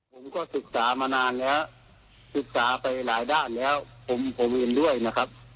ผมก็ศึกษามานานแล้วศึกษาไปหลายด้านแล้วผมเห็นด้วยนะครับ